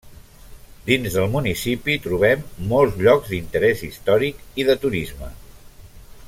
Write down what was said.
Dins del municipi trobem molts llocs d'interès històric i de turisme.